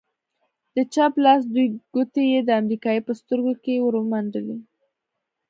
د چپ لاس دوې گوتې يې د امريکايي په سترگو کښې ورومنډې.